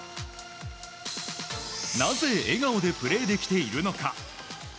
なぜ笑顔でプレーできているのか。